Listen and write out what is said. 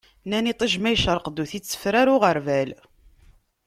Nnan iṭij ma icreq-d, ur t-iteffer ara uɣerbal.